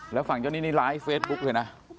แล้วฝั่งเจ้านี้นี่ไลน์เฟสบุ๊คเทอี่น่ะ